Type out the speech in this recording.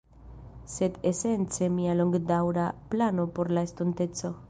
Sed esence mia longdaŭra plano por la estonteco